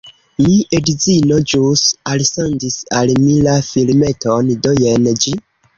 Mi edzino ĵus alsendis al mi la filmeton, do jen ĝi: